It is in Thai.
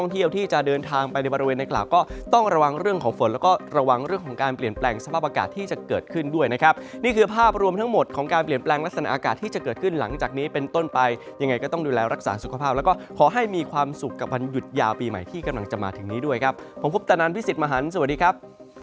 ที่จะเกิดขึ้นด้วยนะครับนี่คือภาพรวมทั้งหมดของการเปลี่ยนแปลงลักษณะอากาศที่จะเกิดขึ้นหลังจากนี้เป็นต้นไปยังไงก็ต้องดูแลรักษาสุขภาพแล้วก็ขอให้มีความสุขกับวันหยุดยาวปีใหม่ที่กำลังจะมาถึงนี้ด้วยครับผมพุตนานพิสิทธิ์มหันภ์สวัสดีครับ